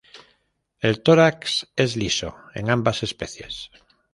El tórax es liso en ambas especies.